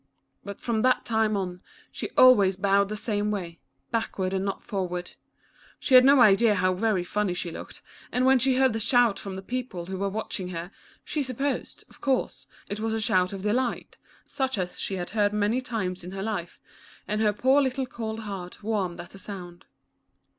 But from that time on, she always bowed the same way, backward and not forward. She had no idea how very funny she looked, and when she heard the shout from the people who were watching her, she supposed, of course, it was a shout of delight, such as she had heard many times in her life, and her poor little cold heart warmed at the sound.